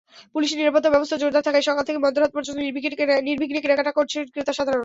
পুলিশি নিরাপত্তাব্যবস্থা জোরদার থাকায় সকাল থেকে মধ্যরাত পর্যন্ত নির্বিঘ্নে কেনাকাটা করছেন ক্রেতাসাধারণ।